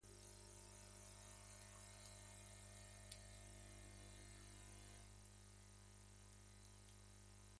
Sus comienzos artísticos fueron en los ballets africanos como artista bailarín y percusionista.